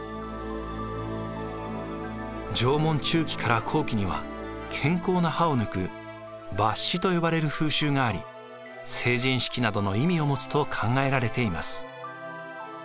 縄文中期から後期には健康な歯を抜く抜歯と呼ばれる風習があり成人式などの意味を持つと考えられています。